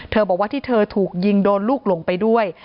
บอกว่าที่เธอถูกยิงโดนลูกหลงไปด้วย